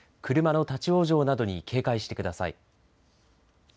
車の立往生などに警戒してください。